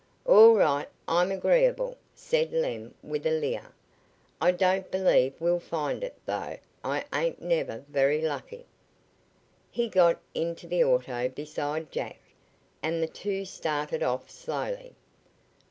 "All right; I'm agreeable," said Lem with a leer. "I don't believe we'll find it, though I ain't never very lucky." He got into the auto beside Jack, and the two started off slowly.